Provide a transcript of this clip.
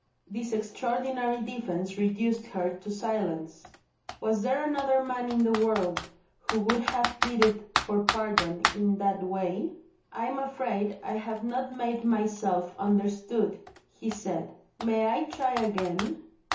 This extraordinary defence reduced her to silence. Was there another man in the world who would have pleaded for pardon in that way? "I'm afraid I have not made myself understood," he said. "May I try again?"